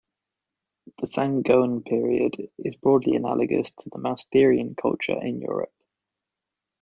The Sangoan period is broadly analogous to the Mousterian culture in Europe.